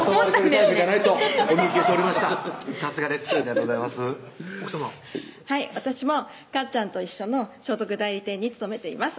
はい私もかっちゃんと一緒の所属代理店に勤めています